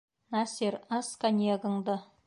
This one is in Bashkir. Насир, ас коньягыңды!